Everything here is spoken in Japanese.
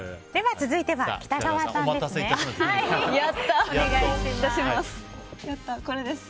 続いては北川さんですね。